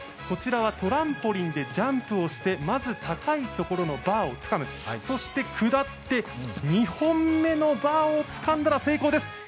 こちらはトランポリンでジャンプをしてまず高い所のバーをつかむそして下って、２本目のバーをつかんだら成功です。